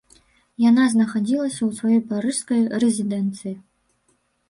Яна знаходзілася ў сваёй парыжскай рэзідэнцыі.